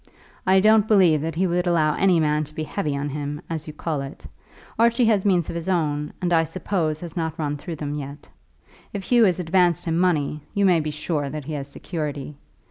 "I don't believe that he would allow any man to be heavy on him, as you call it. Archie has means of his own, and I suppose has not run through them yet. If Hugh has advanced him money, you may be sure that he has security.